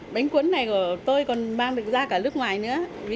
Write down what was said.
bánh cuốn này của tôi còn mang được ra cả nước ngoài nữa